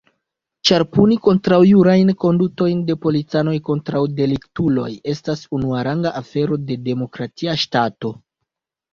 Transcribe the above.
Ĉar puni kontraŭjurajn kondutojn de policanoj kontraŭ deliktuloj estas unuaranga afero de demokratia ŝtato.